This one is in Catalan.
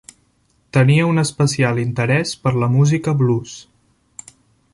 Tenia un especial interès per la música blues.